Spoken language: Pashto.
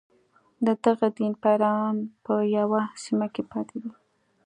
د دغه دین پیروان په یوه سیمه کې پاتې دي.